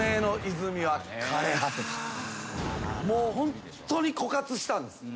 ホントに枯渇したんです。